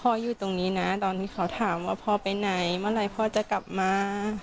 อยู่ตรงนี้นะตอนนี้เขาถามว่าพ่อไปไหนเมื่อไหร่พ่อจะกลับมา